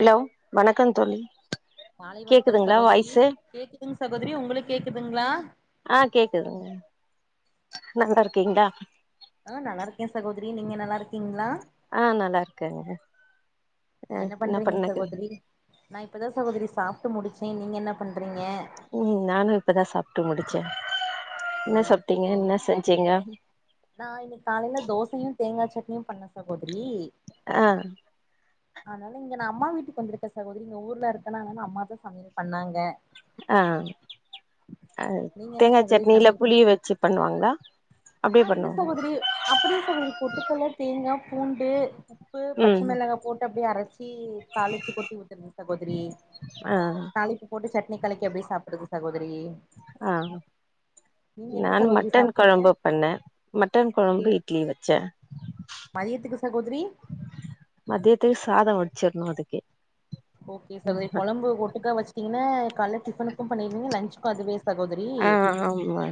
hello வணக்கம் தோழி மாலை வணக்கம் கேக்குதுங்களா சகோதரி வாய்ஸு கேக்குதுங் சகோதரி உங்களுக் கேக்குதுங்ளா ஆ கேக்குதுங்க நல்லா இருக்கீங்ளா ஆ நல்லா இருக்கே சகோதரி நீங்க நல்லா இருக்கீங்களா ஆ நல்லா இருக்கேங்க ஆ என்ன பண்றீங்க பண்ணக்கு சகோதரி நா இப்பதா சகோதரி சாப்ட்டு முடிச் சே நீங்க என்ன பண்றீ ம் நானு இப்பதா சாப்ட்டு முடிச் ச்ச சேரிங் சகோதரி [inaudible] நா இன்னைக்கு காலையில தோசையும் தேங்காச்சட் னியூ பண்ண சகோத் அ அதனால இங்க நா அம்மா வீட்டுக்கு வந்துருக்க சகோதுரி இங்க ஊர்ல இருக்கனா அதனால அம்மாதா சமயல் பண்ணாங்க அ அ நீங்க என்ன தேங்கா சட்னில புளி வச்சி பண்ணுவாங்ளா அ இல்ல சகோதரி அப்புடி சகோதரி போட்டு கல்ல தேங்கா பூண்டு உப்பு பச்ச ம் மிளகா போட்டு அப்டியே அரச்சி தாளிச்சு கொட்டி ஊத்துனு சகோத்ரி ஆ தாளிப்பு போட்டு சட் இன்ன காலைக்கு எப்டி சாப்ட்றது சகோதரி ஆ நீங்க என்ன நான் சகோதரி மட்டன் சாப்ட்டீங்க கொழம்பு பண் ன மட்டன் ஏ ககொழம்பு இட்லி வச்ச மதியத்துக்கு சகோதரி மதியத்துக்கு சாதொ வட் சர்ணு அதுக்கே ஓகே சகோதுரி கொழம்பு ஒட்டுக்கா வச்சுட்டீங்னா கால்ல டிஃபனுக்கு பண்ணிருவிங்க லன்ஞ்ச்கு அதுவே சகோதரி அ ஆமா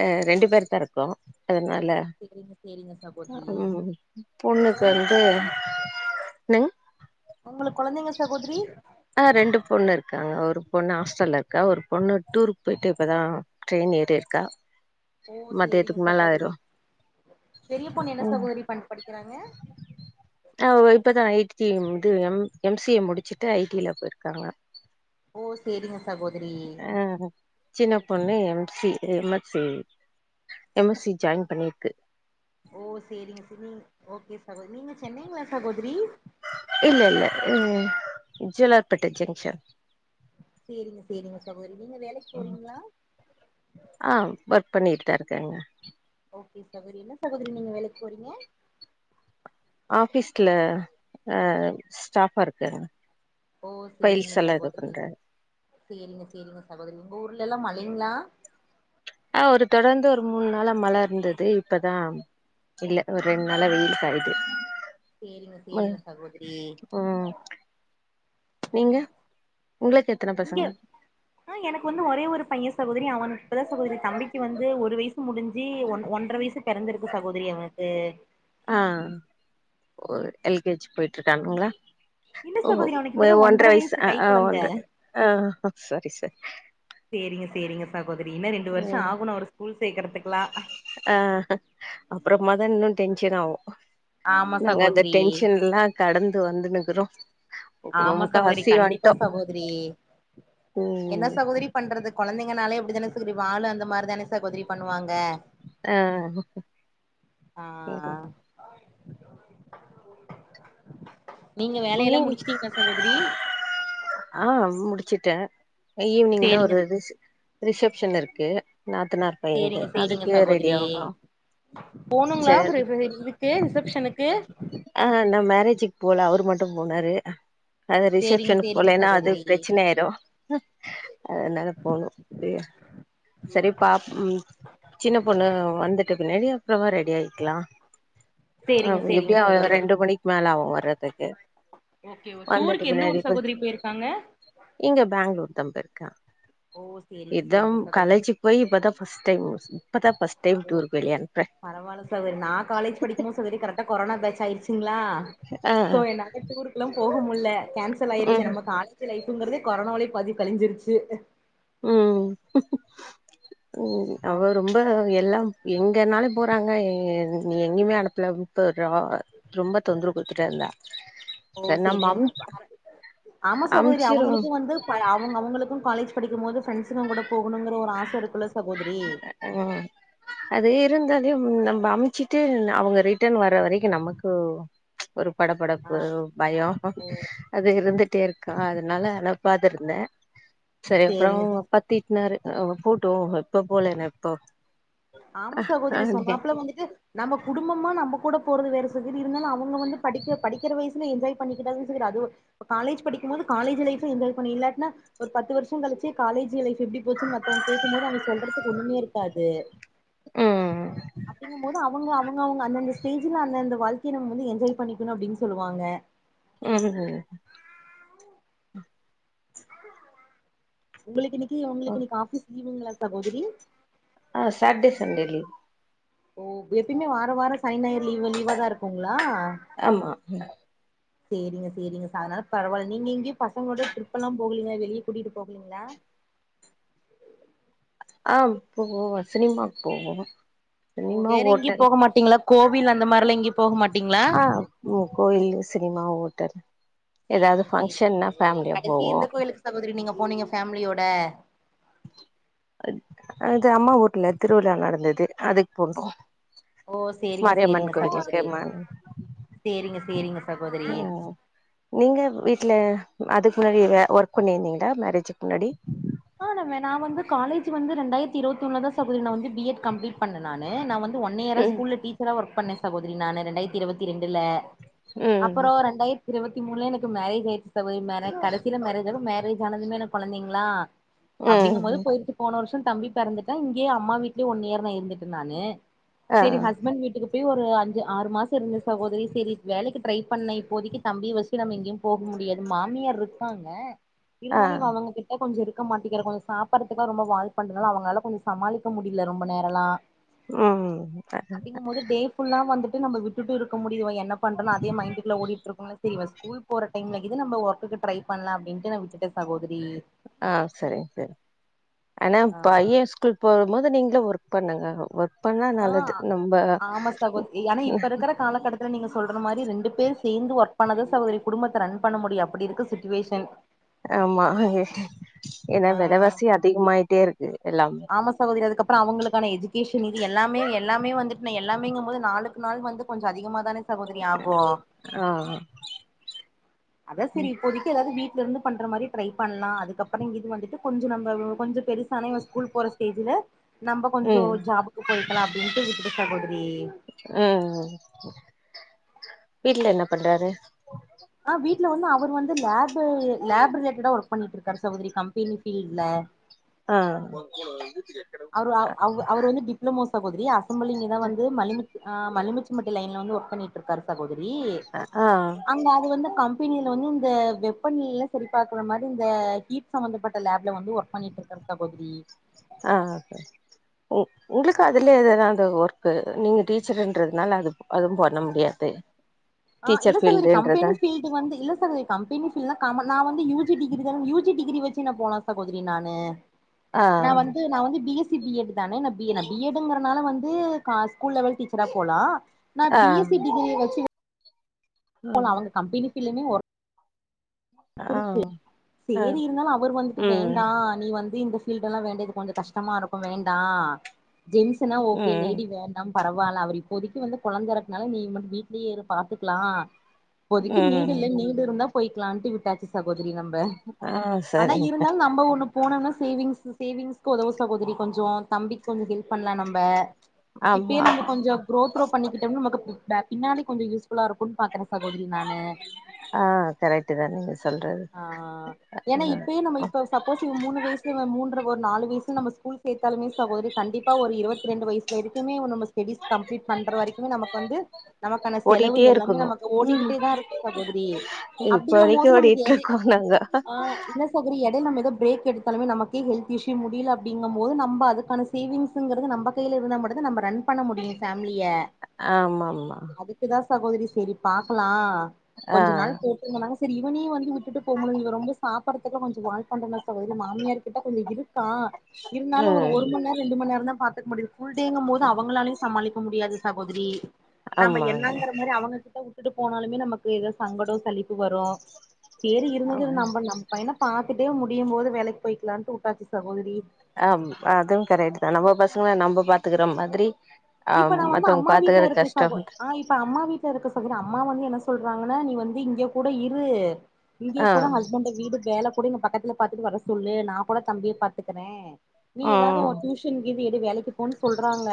அ ரெண்டு பேயிருக்கறு இப்ப அதனால சேரிங்க சேரிங்க சகோதரி உம் உம் உங்க பொண்ணுக்கு கொழந்த வந்து சகோதரி என்னங்க உங்களுக்கு கொழந்தைங்க சகோதரி ஆஹ் ரெண்டு பொண்ணு இருக்காங்க ஒரு பொண்ணு ஹாஸ்டல்ல இருக்கா ஒரு பொண்ணு டூருக்கு போயிட்டு இப்பதா ட்ரெயின் ஏறிக்கா ஓ சேரிங்க சகோதரி பெரிய பொண்ணு என்ன ம் சகோதரி பன் படிக்கிறாங்க து எம் எம் சி ஏ முடிச்சுட்டு ஐ டி யில போயிருக்காங்க ஓ சேரிங்க சகோதரி ஆஹ் சின்ன பொண்ணு M C M X A M S C join பண்ணிருக்கு ஓ சேரிங்க சேரி ஓகே சகோதரி நீங்க சென்னைங்களா சகோதரி உம் ஜலார்பட்ட ஜங்ஷன் சேரிங்க சேரிங்க சகோதரி நீங்க வேலைக்கு அ போறீங்களா ஆஹ் ஒர்க் பண்ணிட்டுதா இருக்கங்க ஓகே சகோதரி என்ன சகோகரி நீங்க வேலைக்கு போறீங்க ஆபீஸ்ல அஹ ஸ்டாபா இருக்க ஓ சேரிங்க சகோதரி சேரிங்க சேரிங்க சகோதரி உங்க ஊர்ல இல்லா மழிங்களா ஆஹ் ஒரு தொடர்ந்து ஒரு மூணு நாளா மழ இருந்தது இப்பதா இல்ல ஒரு ரெண்டு நாளா வெயில் சயுது சேரிங்க சேரிங்க சகோதரி ம் நீங்க உங்களுக்கு எத்தன இங்க பசங்க ஆஹ் எனக்கு வந்து ஒரே ஒரு பைய சகோதரி அவனு இப்போதா சகோதரி தம்பிக்கு வந்து ஒரு வயசு முடிஞ்சு ஒன் ஒன்றரை வயசு பிறந்திருக்கு சகோதரி அவ ஏ ஆஹ் எல் கே ஜி போய்ட்டு இருக்கங்களா இல்ல ஓ சகோதரி அவனுக்கு இப்பதா ஒன்ற வயசு கை ஹ் ஒ கொழந்த ஆஹ செரி செரி சேரிங்கப்பா ன்னா ரெண்டு வருஷம் ஆகும் ஒரு ஸ்கூல் சேக்கருக்கலா அஹ் அப்புறம் மத இன்னு டென்ஷன் ஆகு ஆமா நாங்க அந்த சகோதரி டென்ஷன் எல்லா கடந்து வந்துன்னுக்குறோ ஆமா சகோதரி கண்டிப்பா சகோதரி என்ன ம் சகோதரி பண்றது கெழந்திங்கனால எப்டித்தான வாலு அந்த மாரி தானே சகோதரி பண்ணுவாங்க ஆஹ் ஆ ஆ நீங்க வேலையெல்லா முடிச்சுட்டீங்க சகோதரி ஆஹ் முடிச்சுட்டே ஈவினிங் தா சேரிங்க ஒரு இது ரிசப்ஷன் இருக்கு நாத்தனார் பையன்து சேரிங்க சேரிங்க அதுக்கு ரெடி சகோதரி ஆகணு போணுங்களா சரி இதுக்கு ரிசப்ஷனுக்கு ஆஹ் நா மேரேஜுக்கு போகல அவரு மட்டு போனாரு அது சேரிங்க ரிசப்ஷனுக்கு சேரிங்க போலேன்னா அது சகோதரி பிரச்சன ஆயிரு அதனால போகணு செரி பா சின்ன பொண்ணு வந்துட்டு பின்னாடி அப்புறமா ரெடியிக்கலா சேரிங் சேரிங் ரெண்டு மணிக்கு மே ஆகு வர்றதுக்கு ஓகே ஓ வந்துட்டு டூருக்கு எந்த பின்னாடி ஊர் போ சகோதரி போயிருக்காங்க இங்க பெங்களூர் தா போயிருக்க ஓ சேரிங்க எதம் சேரிங்க சகோதரி காலேஜி போய் இப்பதா ஃபஸ்ட் டைம் இப்பதான் ஃபர்ஸ்ட் டைம் ஓ டூருக்கு வெளிய அனுப்புறேன் பரவாயில்ல சகோதரி நா காலேஜ் படிக்குமோ சகோதரி கரெக்டா கொரோா பேஷ் ஆ சோ என்னால ஊருக்கெல்லா போக முடி உள்ள கேன்சல் ஆயிருச்சு ம் நம்ம காலேஜ் லைப் இப்பங்கறதே கொரோனாலேயே பாதி கழிஞ்சிருச்சு உம் உ அவ நமக்கு ரொம்ப எல்லா எங்கன்னாலு போறாங்க ஏ நீ எங்கேயுமே அனுப்பலப் போரோ ரொம்ப தொந்தரவு கொடுத்துட்டே இருந்தா ஓ சரி நம்ம அம் செரிங்கப்பா ஆமா சகோதரி அமுச்சிருவோம் அவங்களுக்கு வந்து அவங் அவுங்களுக்கு காலேஜ் படிக்கும் போது பிரண்டசுங்க‌ கூட போகணுங்கிற ஒரு ஆச இருக்குல்ல சகோதரி ஓ அது இருந்தது நம்ம அம்ச்சுட்டு அவங்க ரிட்டர்ன் வர்ரவரைக்கு நமக்கு ஒரு ஆ படப்படப்பு பயம் அது இருந்துட்டே இருக் கா அதனால பாத்துனு இருந்த சரி அப்புறோ சேரிங்க ச அப்பா திட்டுனாறு [unintelligible] டோ இப்போ போலன எப்போ ஆமா சகோதரி சொன்னாப்பல வந்துட்டு நம்ம குடும்பமா நம்ம கூடப் போறது வேறு சகித் இருந்தாலு அவுங்க வந்து படிக்க படிக்கிற வயசுல என்ஜாய்ப் பண்ணிக்கிட்டாங் சேர்‌ அது காலேஜ் படிக்கும்போது காலேஜ் லைஃப் என்ஜாய் பண்ணு இல்லாட்னா ஒரு பத்து வருஷொ கழிச்சு காலேஜ் லைஃப் எப்டி போச்சுன்னு மத்தவங்க கேக்கும் போது அவங்க சொல்றதுக்கு ஒண்ணுமே இருக்காது அப்டிங்கம் போது அவுங்க அவுங்கவங்க அந்தந்த ஸ் டேஜ்ல அந்தந்த வாழ்க்கைய நம்ம வந்து என்ஜாய் பண்ணிக்கணு அப்டின் சொல்லுவாங்க உஹ் ஹூ உங்களுக் இன்னிக் கி உங்களுக்கு இன்னைக்கு ஆபிஸ் லீவுங்களா சகோதரி ஆஹ் சாட்டே சண்டே லீவ் ஓ எப்பய்மே வார வாரொ சனி நாயிறு லீவு லீவாதா இருக்குங்களா ஆமா சேரிங்க சேரிங்க ச அதனால பரவால நீங்க எங்கேய்ப் பசங்களோட டிரிப்பலாம் போகலீங்களா வெளியே கூட்டிட்டு போகலீங்களா ஆஹ் போவோ சினிமாக் போவோ ஓ வேற எங்கேயு போக மாட்டீங்களாக் கோவில் அந்த மார் அதுலா எங்கேயு போக மாட்டீங்களா ஆ கோயில் சினிமா ஓட்டல் சேரிங்க சேரிங்க சகோதரி கடசியா எந்த போவோம் கோயிலுக்கு சகோதரி நீங்கப் போனீங்க ஃபேமிலியோட அது அம்மா ஊர்ல திருவிழா நடந்துது அதுக்கு போன்டோ ஓ சேரிங்க மாரியம்மன் சேரிங்க கோவிலுக்கு சகோதரி ம சேரிங்க சேரிங்க சகோதரி ம் நீங்க வீட்ல அதுக்கு முன்னாடி ஒர்க் பண்ணிருந்தீங்களா மேரேஜுக்கு முன்னாடி ஆ ன வே நா வந்து காலேஜ் வந்து ரெண்டாயிரத்தி இருவத்தி ஒண்ணுலதா ஸ் சகோதரி நா வந்து பி எட் கம்ளிட் பண்ண நானு நா வந்து ஒன் இயரா ம் ஸ்கூல்ல டீச்சரா ஒர்க பண்ணே சகோதரி நானு ரெண்டாயிரத்தி இருவத்தி ரெண்டுல ம் அப்புறோ ரெண்டாயிரத்தி இருவத் இத்தி முனுல என க்கு மேரேஜ் ஆயிடுச்சி கடைசியில மேரேஜ் மேரேஜ் ஆனதுமே எனக்கு குழந்தைங்களா அப்படிங்கும் போது ம் போயிட்டு போன வருஷ தம்பி பெறந்துட்டா இங்கயே அம்மா வீட்லயே ஒன் இயர் நா இருந்துட்டு நானு ஆ சேரி ஹஸ்பண்ட் வீட்டுக்கு இப்ப ஒரு அஞ்சு ஆறு மாசம் இருந்த சகோதரி சரி வேலைக்கு ட்ரை பண்ண இப்போதைக்கு தம்பிய வச்சுட்டு நம்ம எங்கயு போக முடியாது மாமியார் இருக்காங்க ஆ இருந்தாலும் இவ அவங்க கிட்ட கொஞ்ச இரு இருக்க மாட்டிக்கிறே கொஞ்சம் சாப்படுறதுக்காக ரொம்ப வால் பண்றதால அவங்களால கொஞ்ச சமாளிக்க முடியல ரொம்ப நேரலா ம் அப்டிங்கும் போது டே ஃபுல்லா வந்துட்டு நம்ம விட்டுட்டு இருக்க முடியும் என் னா பண்றன்னா அதே மைண்ட்டு குள்ள ஓடிட்ருக்குல்ல சேரி இவ ஸ்கூல் போற டைம்ல இது நம்ம ஒர்க்குக்கு ட்ரை பண்லாம் அப்படின்ட்டு நா விட்டுட்ட சகோதரி ஆ சரிங் சரி ஆனா ஆ பையஸ்கூல் போகும் போது நீங்க ஒர்க் பண்ணுங்க ஒர்க் அப்பனா ஆ நல்லது நம்ப ஆமா சகோதரி ஆனா இப்ப இருக்கிற காலகட்டத்துல நீங்க சொல்ற மாதிரி ரெண்டு பேர் சேர்ந்து ஒர்க் பண்ணத சகோதரி குடும்பத்த ரன் பண்ண முடியும் அப்படி இருக்கு சுச்சுவேஷன் ஆமா ஏன்னா ஆ வெலவாசி அதிகமாயிட்டே இருக்கு எல்லாமே ஷ இது எல்லாமே எல்லாமே வந்துட்டு நான் எல்லாமேங்கு போது நாளுக்கு நாள் வந்து கொஞ்ச அதிகமா தான சகோதரி ஆகும் ஆ அதா சரி இப்போதைக்கு எதாது வீட்டு இங்க இருந்து பண்ற மாரி ட்ரை பண்ணலா அதுக்கப்புறம் இத் வந்துட்டு கொஞ்ச நம்ப கொஞ்ச பெருசானே இவ ஸ்கூல் போற ஸ்டேஜ்ல நம்ம கொஞ்சொ ம் ஜாபுக்கு போய் ல அப்படின்ட்டு விட்டுட்ட சகோதரி ம் வீட்ல என்ன பண்றாரு ட்ல வந்து அவுர் வந்து லேப் லேப் ரிலேட்டடா ஒர்க் பண்ணிட்டு இருக்காரு சகோதரி கம்பெனி ஃபீல்டுல ஆ அவுரு அவு அவு அவுர் வந்து டிப்ளமோஸ் சகோதரி அஸ் செம்பலிங்கதா வந்து மலிமி அ மலிமித் ச்சமட்டி லைன்ல வந்து ஒர்க் பண்ணிட்டுருக்காரு சகோதரி ஆ அங்க அது வந்து கம் பெனில வந்து இந்த வெப்பநீல்ல சரி பாக்கற மாதி இந்த ஹீட் சம்பந்தப்பட்ட லேப்ல வந்து ஒர் பண்ணிட்டுருக்காரு சகோதரி ஆ உ உங்களுக்கு அதுல எதாது அந்த ஒர்க்கு நீங்க டீச்சர்ன்றதுனால அது அதுவு பண்ண முடியாது ஆ இல்ல டீச்சர் சகோதரி ஃபீல்டுன்றதா கம்பெனி ஃபீல்டு வந்து இல்ல சகோதரி கம்பெனி ஃபீலா காம நா வந்து யூ ஜி டிகிரி தான யூ ஜி டிகிரி வச்சு நா போலா சகோதரி நானு ஆ நா வந்து நா வந்து B S C B Ed தானே நா பி என பி எட் ங்குறனால வந்து க ஸ்கூல் லெவல் டீச்சரா போலா நா ஆ பி எஸ் சி டிகிரி வச்சி போன ம் அவங்க கம்பெனி இல்லனா ஓர் ஆ இருக்கு ஆ சேரிஅவர் வந்து இ ம் வேண்டா நீ வந்துட்டு இந் இதல்லா வேண்டியது கொஞ்ச கஷ்டமா இருக்கு வேண்டா ஜென்ஸ்னா ஓகே ம் லேடி வேண்டா பரவாயில்ல அவர் இப்போதைக்கு வந்து குழந்தை இருக்குனால நீ மட்டும் வீட்லயே இரு பாத்துக்கலா இப்பேதிக்கி ம் நிங்கா நீன்டு இருந்தா போயக்கிலான்டு காச்சி சகோ [unintelligible] நம்ம ஆ ஆனா சரிங்க இருந்தாலு நம்ம ஒண்ணு போனோனா சேவிங்ஸ் சேவிங்ஸ்க்கு ஒதவு சாகோதி கொஞ்ச தம்பிக்கு கொஞ்ச ஹெல்ப் பண்ணலா நம்ப இப்பயே ஆமா நம்ம கொஞ்ச கு்ரோ த்ரோ பண்ணிக்கிட்ட நமக்கு பீ்பேக் பின்னாடி கொஞ்ச யூஃபுல்ல இருக்கு பாக்குறே சகோதரி நானு ஆ கரெக்ட் தா நீங்க சொல்றது ஆஹ ஏன்னா இப்பயே நம்ம இப்ப சப்போஸ் இவ மூணு வயசுல இவ மூன்ற ஒரு நாலு இப்ப நம்ம ஸ்கூல் சேர்த்தாலுமே சகோதி கண்டிப்பா ஒரு இருபத்திரண்டு வயசு வரைக்குமே ஒன்னூ சடிஸ் பன்றா வரைக் நமக்கு வந்து நமக்கான செலவு ஓடிட்டே எல்லாமே இருக்கணு நமக் ம் ஓடிக்கிட்டே தா இருக்கு சகோதரி இப்ப அப்படிங்க வரைக்கு போது நமக் ஓடிட்டு எத இருக்கோ நாங்க ஆஹ் என்ன சகரி எட நம்ம ஏதோ பிரேக் எடுத் பண்ணா நமே ஹெல்த் இஸ்யூ முடியல அப்படிங் போது நம்ம அதுகான சேவிங்கிறது நம் கையில இருந்த ம நம்ம ரன் பண்ண முடியு பேமிலிய ஆமா ஆமா அதுக்குதா சகோதரி சரி பாக்கலா ஆ கொஞ்ச நாள் போட்டுங்கனாங்க சரி இப்ப நீ வந்து விட் டுட்டு போம்போது நீங்க ரொம்ப சாப் படுத்துக்குனு சொல் வாண் பண்றங்க சகோதரி மாமியார் கிட்ட கொஞ்சோ இரு கா இருந்தாலு ஒரு ம் ஒரு மண் நேர் ரெண்டு மண்நேரந்தா பாக் முடிது ஃபுல்டேங்கம்போது அவங்களாலியு சமாளிக்க முடியாது சகோதிரி நம்ப ஆமாங்க என்னாங்கிற மாரி அவங்ககிட்ட உட் டுட்டு போனாலுமே நமக்கு எதோ சங்கடோ சளிப்பு வரு சேரி இருந்தது நம்ப நம்பைன பாக் கிட்டேயு முடியும்போது வேலைக் போய்கிலான்ட்டு உட்டாச்சு சகோதரி ஆம் அது கரெட்டுதா நம்ம பசுங்க நம்ம பாத்துக்கிற மாதிரி ஆ இப்ப நா வந்து மத்தவங்க அம்மா பாத்துக்கற வீட்ல இருக்கே சகோ கஷ்டம் ஆஹ் இப்ப அம்மா வீட்ல இருக்கு அம்மா வந்து என்ன சொல்றாங்கனா நீ வந்து இங்யே கூட இரு இங்யே ஆ கூட ஹஸ்பண்ட வீடு வேல கூட இங்க பக்கத்துல பாத்துட்டு வர சொல்லு நா கூட தம்பிய பாத்துக்குறே நீ எதாவ்து ம் ஒரு டியூஷன் கி எடு வேலைக்கு போன் சொல்றாங்க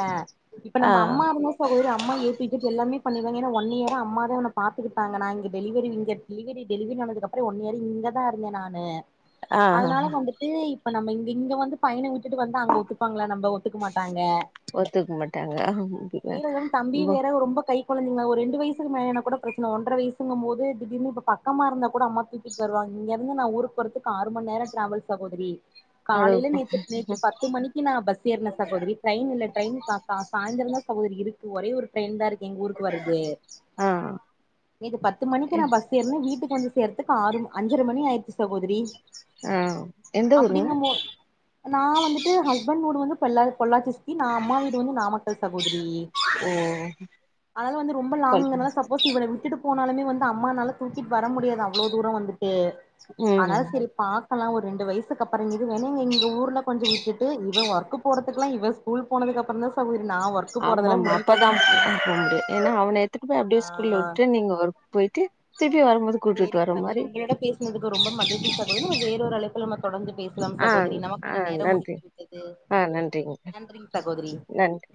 இப்ப ஆ நம்ம அம்மா இருந்தா சகோதரி அம்மா ஏ டு இஜட் எல்லாமே பண்ணிற்வாங்க ஏனா ஒன் இயரா அம்மாதா இவன பாத்துக்கிட்டாங்க நா இங்க டெலிவரி இங்க டெலிவரி டெலிவரி ஆனதுக்கப்பறொ ஒன் இயர் இங்கதா இருந்தே நானு ஆ அதுனால வந்துட்டு இப்ப நம்ம இங்க இங்க வந்து பையன விட்டுட்டு வந்தா அங்க ஒத்துப்பாங்ளா நம்ப ஒத்துக்கு மாட்டாங் க துக்கு மாட்டாங்க [unintelligible] கொழந்தைங்ளா ஒரு ரெண்டு வய்சுக்கு மேல்னா கூட பிரச்சன ஒன்ற வய்சுங்கம்போது திடீர்னு இப்ப பக்கமா இருந்தா கூட அம்மா தூக்கிட் வருவாங் இங்க இருந்து நா ஊருக்கு போறதுக்கு ஆறு மண்நேரோ டிராவல் சகோதரி அவ்ளோ காலேல நேத்து நேத்து பத்து மணிக்கு நா பஸ் ஏர்ன சகோதரி ட்ரெய்ன் இல்ல ட்ரெய்ன் அஹ் சாய்ந்தரந்தா சகோதரி இருக்கு ஒரே ஒரு ட்ரெய்ன்தா இருக் எங் ஊருக்கு வர்றது ஆ நேது பத்து மணிக்கு நா பஸ் ஏர்ன வீட்டுக்கு வந்து சேர்த்துக் ஆறு அஞ்சர மணி ஆய்ர்ச்சு சகோதிரி ஆ எந்த ஊருங்க அப்புடிங்கமோ நா வந்துட்டு ஹஸ்பண்னூடு வந் பொள்ளாது பொள்ளாச்சி சுத்தி நா அம்மா வீட் த சகோத் ரி ஓ அதலா வந்து ரொம்ப லாங்குங்றனால சப்போஸ் இவன விட்டுட்டு போனாலுமே வந்து அம்மானால தூக்கிட் வர முடியாது அவ்ளோ தூரோ வந்துட் டு அதனால ம் செரி பாக் கலா ஒரு ரெண்டு வயசுக்கப்பற இது வேணு எங்க ஊர்ல கொஞ்ச விட்டுட்டு இவ ஒர்க் போறதுக்குல்லா இவெ ஸ்கூல் போனதுக்கப்ப பறந்தா சகோத ஆமா ஆமா அப்பதா [inaudible] ஏன்னா அவன எத்துட்டு போய் ஆ அப்படியே ஸ்கூல்ல விட்டு நீங்க ஒர்க் போயிட்டு திருப் சேரி சகோரி உங்களோட பேசுனதுக்கு ரொம்ப மகிழ்ச்சி சகோ தரி வேற ஒரு அழைப்புல நம தொடந்து பேசலாம் ஆ சகோதரி ஆ நமக்கான நேரம் நன்றி முடிந்து விட்டது ஆ நன்றிங்க நன்றிங் சகோதரி நன்றி